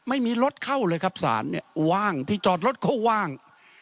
ไม่มีรถเข้าเลยครับศาลเนี่ยว่างที่จอดรถเขาว่าง